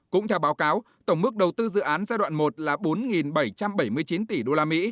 cũng theo báo cáo tổng mức đầu tư dự án giai đoạn một là bốn bảy trăm bảy mươi chín tỷ usd